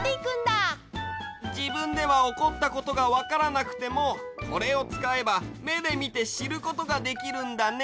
じぶんではおこったことがわからなくてもこれをつかえばめでみてしることができるんだね。